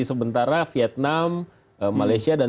sebentar vietnam malaysia dan